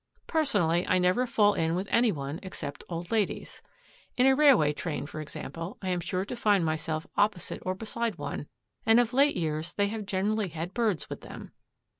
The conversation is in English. Personally, I never fall in with any one except old ladies. In a railway train, for example, I am sure to find myself opposite or beside one, and of late years they have generally had birds with them.